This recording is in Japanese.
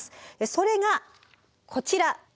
それがこちら。